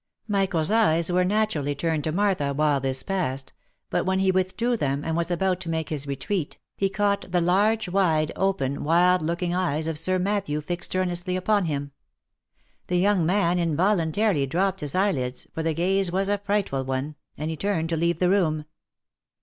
Michael's eyes were naturally turned to Martha while this passed ; but when he withdrew them, and was about to make his retreat, he caught the large, wide open, wild looking eyes of Sir Matthew fixed earnestly upon him. The young man involuntarily dropped his eye lids, for the gaze was a frightful one, and turned to leave the room.